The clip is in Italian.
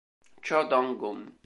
Cho Dong-gun